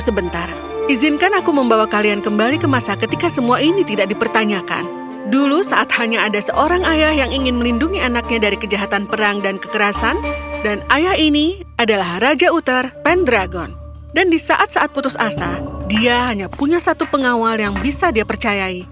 saat saat putus asa dia hanya punya satu pengawal yang bisa dia percayai